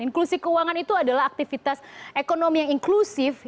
inklusi keuangan itu adalah aktivitas ekonomi yang inklusif